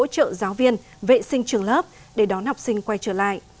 tổ giáo viên vệ sinh trường lớp để đón học sinh quay trở lại